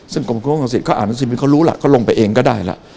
ซึ่งกรมคุมความสิทธิ์เขาอ่านวิทยาลัยศิริมิตเขารู้ล่ะเขาลงไปเองก็ได้ล่ะ